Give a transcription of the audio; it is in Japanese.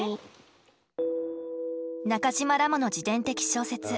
中島らもの自伝的小説